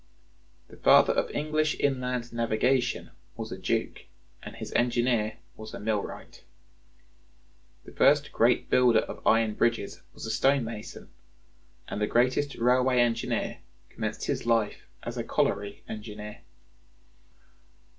The father of English inland navigation was a duke, and his engineer was a millwright. The first great builder of iron bridges was a stone mason, and the greatest railway engineer commenced his life as a colliery engineer."